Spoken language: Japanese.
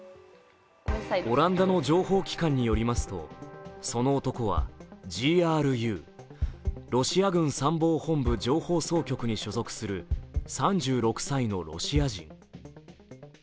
オランダの情報機関によりますと、その男はＧＲＵ＝ロシア軍参謀本部情報総局に所属する３６歳のロシア人。